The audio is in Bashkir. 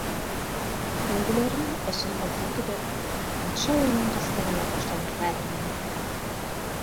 Һөңгөләренең осон алға төбәп, батша улының ғәскәренә ташланырға әҙерләнәләр.